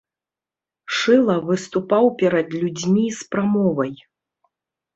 Шыла выступаў перад людзьмі з прамовай.